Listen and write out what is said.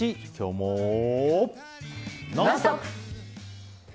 「ノンストップ！」。